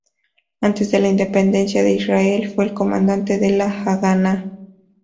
Antes de la independencia de Israel fue el Comandante de la Haganá.